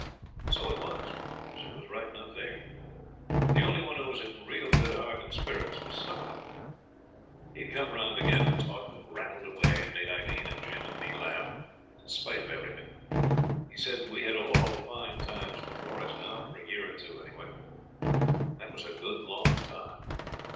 So it was; she was right enough there. The only one who was in real good heart and spirits was Starlight. He'd come round again, and talked and rattled away, and made Aileen and Jim and me laugh, in spite of everything. He said we had all fine times before us now for a year or two, any way. That was a good long time.